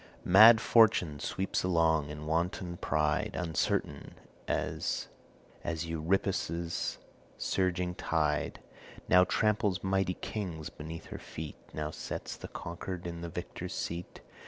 Mad Fortune sweeps along in wanton pride, Uncertain as Euripus' surging tide; Now tramples mighty kings beneath her feet; Now sets the conquered in the victor's seat.